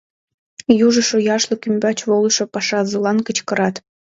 Южыжо яшлык ӱмбач волышо пашазылан кычкырат: